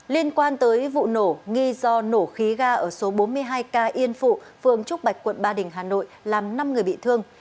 liên quan tới vụ nổ nghi do nổ khí ga ở số bốn mươi hai ca yên phụ phường trúc bạch quận ba đình hà nội làm năm người bị thương